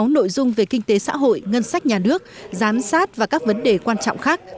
sáu nội dung về kinh tế xã hội ngân sách nhà nước giám sát và các vấn đề quan trọng khác